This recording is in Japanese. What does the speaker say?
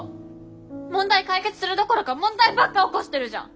問題解決するどころか問題ばっか起こしてるじゃん！